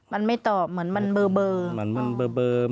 มันไม่ตอบเหมือนมันเบอร์